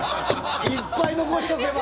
いっぱい残しておけば。